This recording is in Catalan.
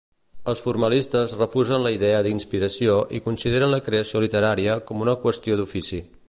Els formalistes refusen la idea d'inspiració i consideren la creació literària com una qüestió d'ofici.